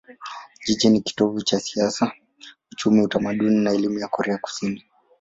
Jiji ni kitovu cha siasa, uchumi, utamaduni na elimu ya Korea Kusini.